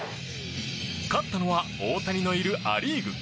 勝ったのは大谷のいるア・リーグ。